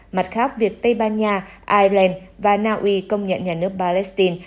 mặt khác việc tây ban nha ireland và naui công nhận nhà nước palestine